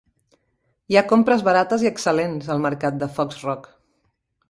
Hi ha compres barates i excel·lents al mercat de Foxrock.